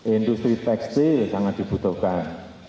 industri tekstil sangat dibutuhkan